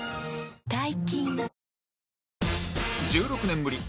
１６年ぶり